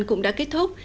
cũng đã kết thúc